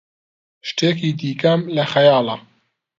شتێکی دیکەم لە خەیاڵە.